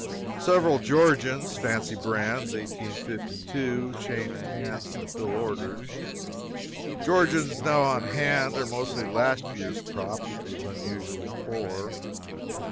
Several Georgians, fancy brands, 1852, changed hands to fill orders. The Georgians now on hand are mostly last year's crop, which was unusually poor.